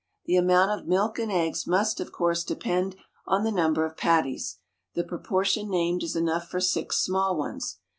The amount of milk and eggs must of course depend on the number of patties; the proportion named is enough for six small ones.